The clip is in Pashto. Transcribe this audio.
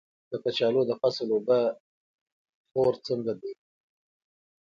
د کچالو د فصل اوبه خور څنګه دی؟